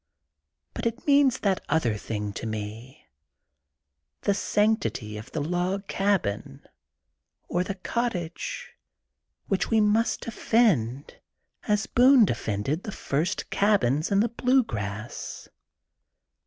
But it means that other thing to me, the sanctity of the log cabin, or the cottage which we must defend as Boone defended the first cabins in the blue grass.